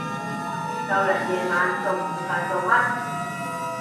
就嚟夜晚，仲唔食飯做乜？